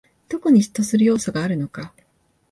どこに嫉妬する要素があるのか